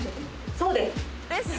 そうです！